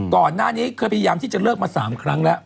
ก่อนหน้านี้เคยพยายามที่จะเลิกมา๓ครั้งแล้ว